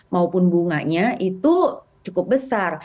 maupun bunganya itu cukup besar